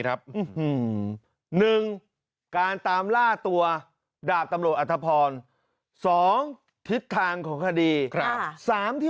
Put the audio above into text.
หนึ่งการตามล่าตัวดาบตำรวจอัตภรณสองทิศทางของคดีครับสามที่